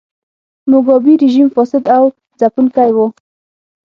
د موګابي رژیم فاسد او ځپونکی و.